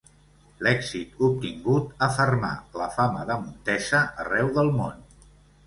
L'èxit obtingut afermà la fama de Montesa arreu del món.